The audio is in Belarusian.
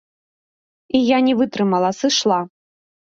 І я не вытрымала, сышла.